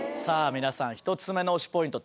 皆さん１つ目の推しポイント